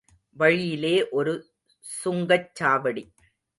வழியிலே ஒரு சுங்கச் சாவடி.